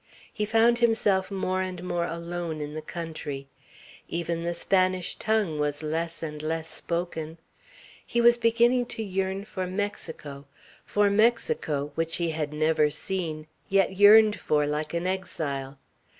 He found himself more and more alone in the country. Even the Spanish tongue was less and less spoken. He was beginning to yearn for Mexico, for Mexico, which he had never seen, yet yearned for like an exile.